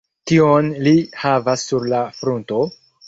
Kion li havas sur la frunto?